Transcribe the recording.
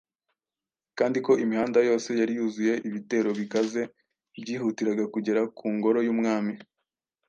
kandi ko imihanda yose yari yuzuye ibitero bikaze byihutiraga kugera ku ngoro y’umwami